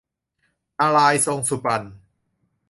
นารายณ์ทรงสุบรรณ